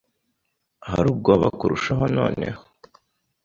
hari ubwoba kurushaho noneho